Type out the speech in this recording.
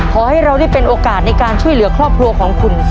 ขอให้เราได้เป็นโอกาสในการช่วยเหลือครอบครัวของคุณ